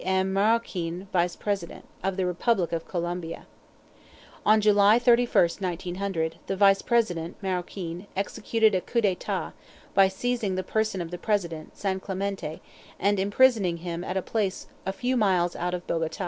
M. Maroquin Vice President, of the Republic of Colombia. On July 31, 1900, the Vice President, Maroquin, executed a "coup d'etat" by seizing the person of the President, Sanclamente, and imprisoning him at a place a few miles out of Bogota.